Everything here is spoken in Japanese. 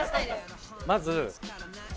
まず。